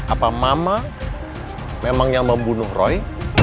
apa mama memang yang membunuh roy